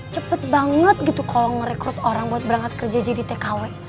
cepet banget gitu kalau merekrut orang buat berangkat kerja jadi tkw